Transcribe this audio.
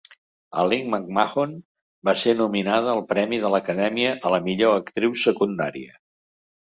Aline MacMahon va ser nominada al premi de l'Acadèmia a la millor actriu secundària.